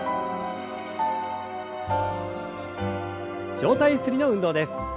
上体ゆすりの運動です。